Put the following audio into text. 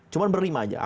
cuma berlima aja